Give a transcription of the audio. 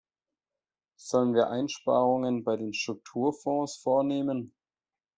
Sollen wir Einsparungen bei den Strukturfonds vornehmen?